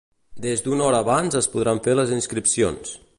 Des d’una hora abans es podran fer les inscripcions.